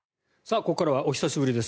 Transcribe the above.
ここからはお久しぶりです。